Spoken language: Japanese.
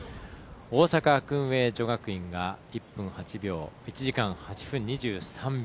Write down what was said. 大阪薫英女学院が１時間８分２３秒。